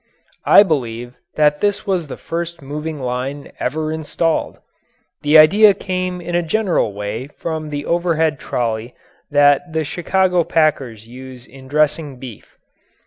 I believe that this was the first moving line ever installed. The idea came in a general way from the overhead trolley that the Chicago packers use in dressing beef.